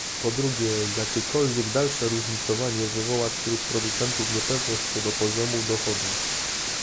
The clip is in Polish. Po drugie, jakiekolwiek dalsze różnicowanie wywoła wśród producentów niepewność co do poziomu dochodów